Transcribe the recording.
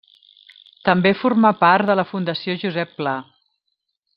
També formà part de la Fundació Josep Pla.